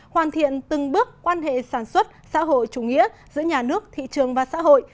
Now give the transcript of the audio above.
hoàn thiện từng bước quan hệ sản xuất xã hội chủ nghĩa giữa nhà nước thị trường và xã hội